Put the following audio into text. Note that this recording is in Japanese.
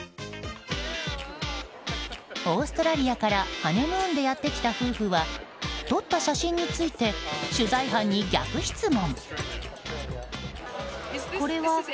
オーストラリアからハネムーンでやってきた夫婦は撮った写真について取材班に逆質問。